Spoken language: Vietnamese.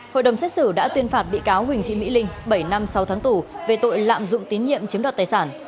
hội đồng xét xử đã tuyên phạt bị cáo huỳnh thị mỹ linh bảy năm sáu tháng tù về tội lạm dụng tín nhiệm chiếm đoạt tài sản